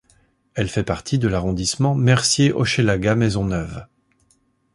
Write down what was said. Elle fait partie de l'arrondissement Mercier–Hochelaga-Maisonneuve.